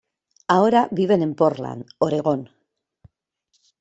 Ahora viven en Portland, Oregon.